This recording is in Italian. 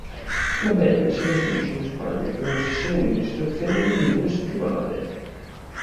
La band si trasferisce in Spagna per una sessione di registrazioni di due settimane.